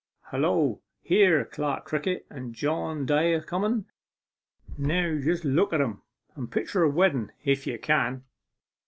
Hullo here's Clerk Crickett and John Day a comen! Now just look at 'em and picture a wedden if you can.